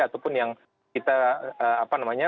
ataupun yang kita apa namanya